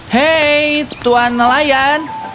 hei tuan nelayan